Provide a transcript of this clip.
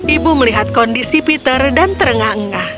ibu melihat kondisi peter dan terengah engah